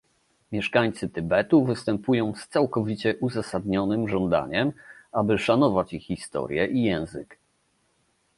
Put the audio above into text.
Mieszkańcy Tybetu występują z całkowicie uzasadnionym żądaniem, aby szanować ich historię i język